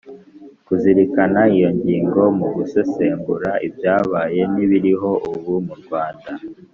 kuzirikana iyo ngingo mu gusesengura ibyabaye n'ibiriho ubu mu rwanda,